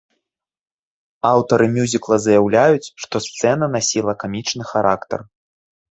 Аўтары мюзікла заяўляюць, што сцэна насіла камічны характар.